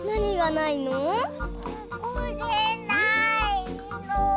これないの。